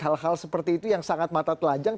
hal hal seperti itu yang sangat mata telanjang